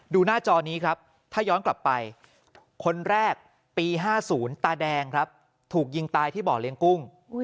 หน้าจอนี้ครับถ้าย้อนกลับไปคนแรกปี๕๐ตาแดงครับถูกยิงตายที่บ่อเลี้ยงกุ้ง